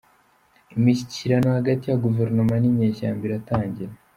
Imishyikirano hagati ya Guverinoma n’Inyeshyamba iratangira